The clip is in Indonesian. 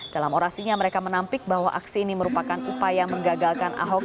dalam orasinya mereka menampik bahwa aksi ini merupakan upaya menggagalkan ahok